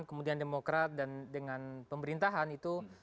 kemudian demokrat dan dengan pemerintahan itu